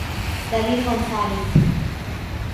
David González.